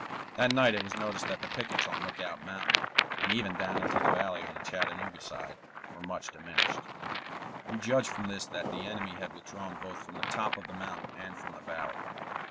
That night it was noticed that the pickets on Lookout Mountain, and even down into the valley on the Chattanooga side, were much diminished. We judged from this that the enemy had withdrawn both from the top of the mountain and from the valley.